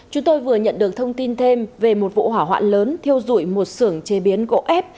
chúng tôi vừa nhận được thông tin thêm về một vụ hỏa hoạn lớn thiêu dụi một sưởng chế biến gỗ ép